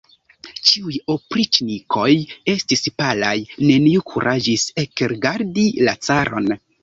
Ĉiuj opriĉnikoj estis palaj; neniu kuraĝis ekrigardi la caron.